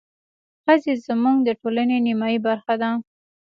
ښځې زموږ د ټولنې نيمايي برخه ده.